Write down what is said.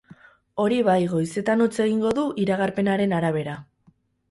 Hori bai, goizetan hotza egingo du, iragarpenaren arabera.